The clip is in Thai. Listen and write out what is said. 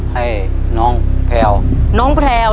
ให้น้องแพลว